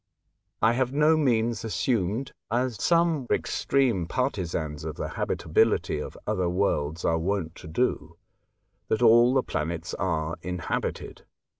I have by no means assumed, as some extreme partisans of the habitability of other worlds are w^ont to do, that all the planets are inhabited.